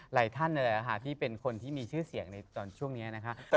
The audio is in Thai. หลายท่านนั่นแหละค่ะที่เป็นคนที่มีชื่อเสียงในตอนช่วงนี้นะคะ